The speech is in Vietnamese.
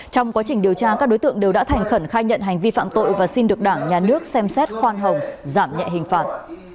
trong quá trình điều tra các đối tượng đều đã thành khẩn khai nhận hành vi phạm tội và xin được đảng nhà nước xem xét khoan hồng giảm nhẹ hình phạt